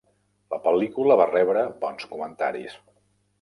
La pel·lícula va rebre bons comentaris.